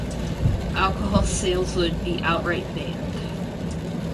Alcohol sales would be outright banned.